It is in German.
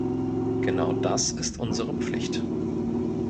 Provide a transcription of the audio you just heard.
Genau das ist unsere Pflicht.